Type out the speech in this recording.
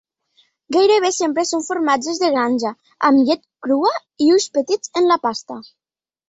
Gairebé sempre són formatges de granja, amb llet crua i ulls petits en la pasta.